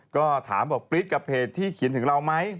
ก็ถามบอกปริ๊ดกับเพจที่เขียนถึงเราไหม